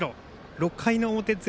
６回の表、０。